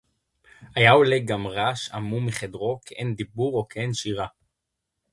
הָיָה עוֹלֶה גַם רַעַשׁ עָמוּם מֵחֶדְרוֹ, כְּעֵין דִּבּוּר אוֹ כְּעֵין שִׁירָה